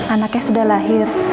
anaknya sudah lahir